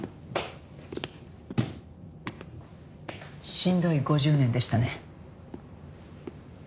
しんどい５０年でしたね。